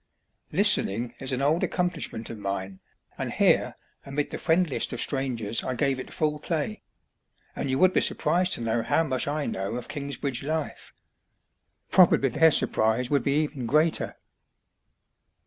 Listening is an old accomplishment of mine, and here, amid the friendliest of strangers, I gave it full play; and you would be surprised to know how much I know of Kingsbridge life. Probably their surprise would be even greater.